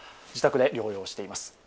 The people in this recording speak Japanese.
自宅で療養しています。